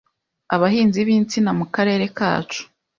abahinzi b'insina mu karere kacu